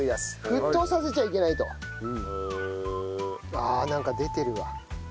ああなんか出てるわ。